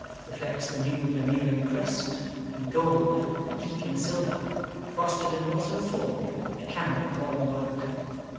Reflects the new Veneering crest, in gold and eke in silver, frosted and also thawed, a camel of all work.